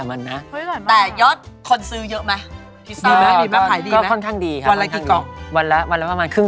อันนี้โวรคใช่ไหมกลัวพี่กิ้นแม่ทำหน้าดี